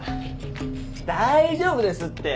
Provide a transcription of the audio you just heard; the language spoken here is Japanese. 大丈夫ですって！